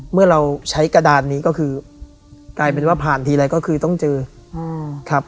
เมื่อเราใช้กระดานนี้ก็คือกลายเป็นว่าผ่านทีไรก็คือต้องเจอครับ